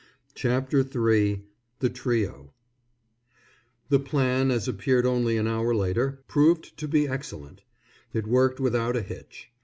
CHAPTER III THE TRIO The plan, as appeared only an hour later, proved to be excellent. It worked without a hitch.